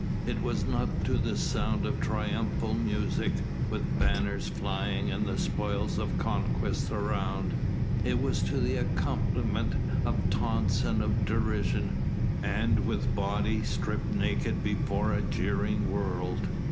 it was not to the sound of triumphal music, with banners flying and the spoils of conquest around, it was to the accompaniment of taunts and of derision and with body stripped naked before a jeering world.